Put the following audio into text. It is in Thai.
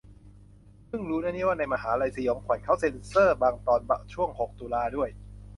เพิ่งรู้นะเนี่ยว่าในมหา'ลัยสยองขวัญเค้าเซ็นเซอร์บางตอนช่วงหกตุลาด้วย